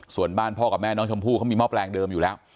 ส่วนบ้านพ่อกับแม่น้องชมพู่เขามีหม้อแปลงเดิมอยู่แล้ว